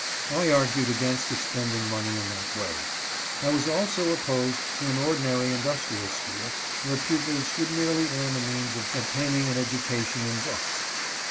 I argued against expending money in that way. I was also opposed to an ordinary indus trial school where pupils should merely earn the means of obtaining an education in books.